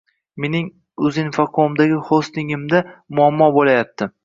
Mening Uzinfocomdagi hostingimda muammo bo’layapti